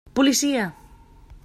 Policia!